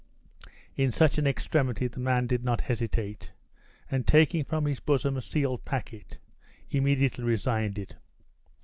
In such an extremity the man did not hesitate, and taking from his bosom a sealed packet, immediately resigned it.